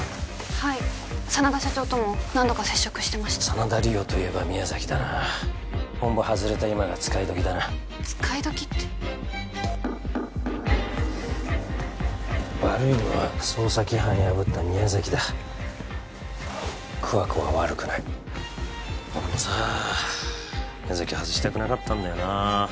はい真田社長とも何度か接触してました真田梨央といえば宮崎だな本部外れた今が使いどきだな使いどきって悪いのは捜査規範破った宮崎だ桑子は悪くない俺もさ宮崎外したくなかったんだよな